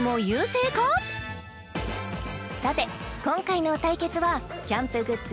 さて今回の対決はキャンプグッズ